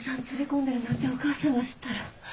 連れ込んでるなんてお母さんが知ったら。